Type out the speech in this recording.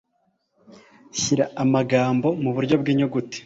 Shyira amagambo muburyo bw'inyuguti.